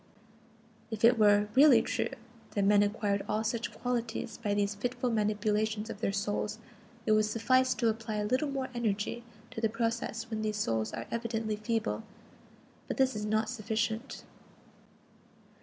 If it were really true that men acquired all such qualities by these fitful manipulations of their souls, it would suffice to apply a little more energy to the process when these souls are evidently feeble. But this is not sufficient.